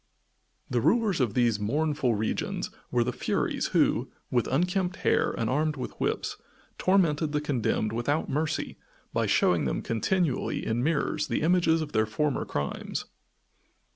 The rulers of these mournful regions were the Furies who, with unkempt hair and armed with whips, tormented the condemned without mercy by showing them continually in mirrors the images of their former crimes.